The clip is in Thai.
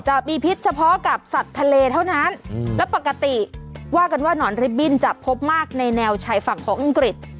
จะมีพิษเฉพาะกับสัตว์ทะเลเท่านั้นและปกติว่ากันว่าหนอนริบบิ้นจะพบมากในแนวชายฝั่งของอังกฤษ